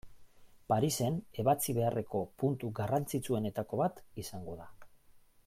Parisen ebatzi beharreko puntu garrantzitsuenetako bat izango da.